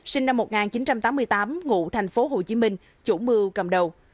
sinh năm một nghìn chín trăm tám mươi tám ngụ thành phố hồ chí minh chủ mưu cầm đầu